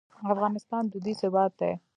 افغانستان دودیز هېواد دی.